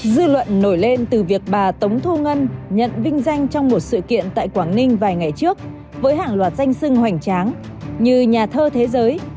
dư luận nổi lên từ việc bà tống thu ngân nhận vinh danh trong một sự kiện tại quảng ninh vài ngày trước với hàng loạt danh sưng hoành tráng như nhà thơ thế giới